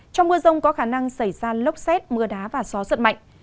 trong mưa rông có khả năng xảy ra lốc xét mưa đá và gió giật mạnh